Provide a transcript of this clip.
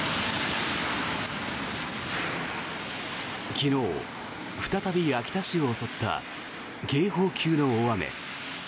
昨日、再び秋田市を襲った警報級の大雨。